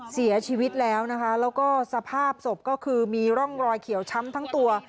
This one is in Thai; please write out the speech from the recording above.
เสียชีวิตแล้วนะคะแล้วก็สภาพศพก็คือมีร่องรอยเขียวช้ำทั้งตัว